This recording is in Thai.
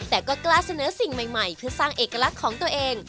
แต่ก็กล้าเสนอสิ่งใหม่เพื่อสร้างเอกลักษณ์ของตัวเอง